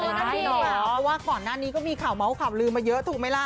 เพราะว่าก่อนหน้านี้ก็มีข่าวเมาส์ข่าวลืมมาเยอะถูกไหมล่ะ